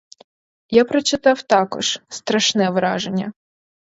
Я прочитав також: страшне враження!